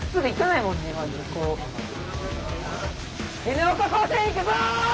Ｎ岡高専いくぞ！